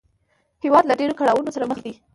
هېواد له ډېرو کړاوونو سره مخ دی